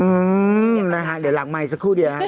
อืมหลังไมสักครู่เดี๋ยวครับ